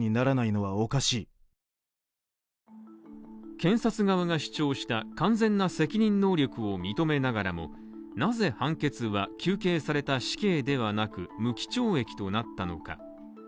検察側が主張した完全な責任能力を認めながらも、なぜ判決は求刑された死刑ではなく、無期懲役となったのか。